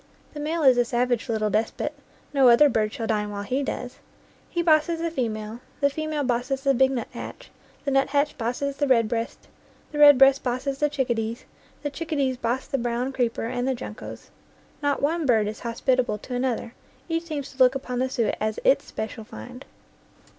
The male is a savage little despot; no other bird shall dine while he does. He bosses the female, the female bosses the big nuthatch, the nut hatch bosses the red breast, the red breast bosses the chickadees, the chickadees boss the brown 42 NEW GLEANINGS IN OLD FIELDS creeper and the juncos. Not one bird is hospitable to another. Each seems to look upon the suet as its special find.